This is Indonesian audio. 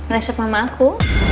resep mama aku